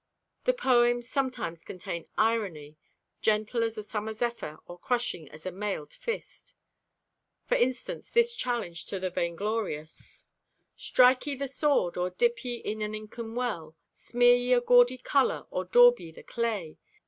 The poems sometimes contain irony, gentle as a summer zephyr or crushing as a mailed fist. For instance this challenge to the vainglorious: Strike ye the sword or dip ye in an inken well; Smear ye a gaudy color or daub ye the clay?